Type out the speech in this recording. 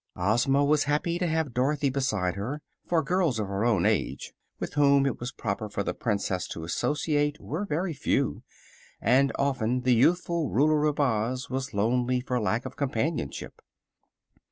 Ozma was happy to have Dorothy beside her, for girls of her own age with whom it was proper for the Princess to associate were very few, and often the youthful Ruler of Oz was lonely for lack of companionship.